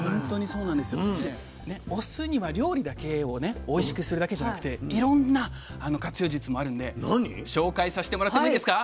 そしてお酢には料理だけをねおいしくするだけじゃなくていろんな活用術もあるんで紹介させてもらってもいいですか？